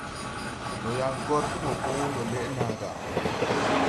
Ndɔ yaŋ gɔr ti mopo ndɔ lɛʼ nàa gà.